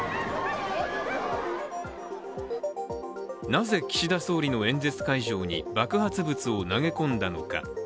なぜ岸田総理の演説会場に爆発物を投げ込んだのか。